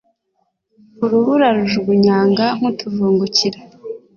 urubura arujugunyanga nk'utuvungukira